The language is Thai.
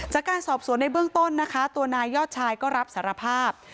จากการสอบสวนในเบื้องต้นนะคะตัวนายยอดชายก็รับสารภาพ